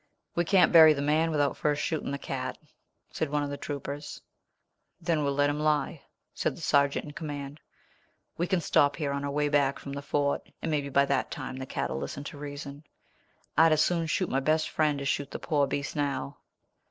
"We can't bury the man without first shooting the cat," said one of the troopers. "Then we'll let him lie," said the sergeant in command. "We can stop here on our way back from the Fort, and maybe by that time the cat'll listen to reason. I'd as soon shoot my best friend as shoot the poor beast now."